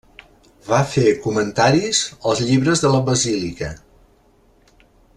Va fer comentaris als llibres de la Basílica.